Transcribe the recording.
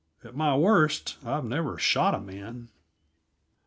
At my worst, I'd never shot a man.